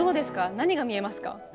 何が見えますか？